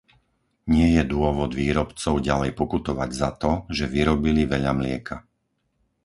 Nie je dôvod výrobcov ďalej pokutovať za to, že vyrobili veľa mlieka.